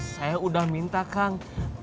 saya udah minta kang